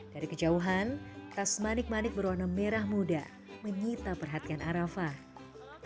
dari kejauhan tas manik manik berwarna merah muda menyita perhatian arafah